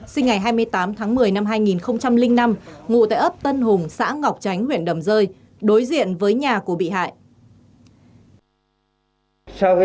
sinh ngày hai mươi tám tháng một mươi năm hai nghìn năm ngụ tại ấp tân hùng xã ngọc chánh huyện đầm rơi đối diện với nhà của bị hại